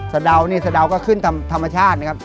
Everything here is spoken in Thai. ซะดาวก็ขึ้นธรรมชาตินะครับ